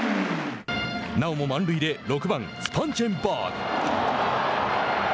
なおも満塁で６番スパンジェンバーグ。